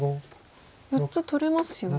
４つ取れますよね。